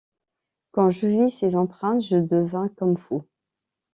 Quand je vis ces empreintes, je devins comme fou.